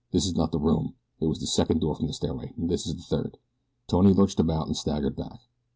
"This is not the room. It was the second door from the stairway. This is the third." Tony lurched about and staggered back.